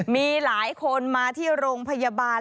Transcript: มีหลายคนมาที่โรงพยาบาล